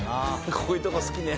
こういうとこ好きね。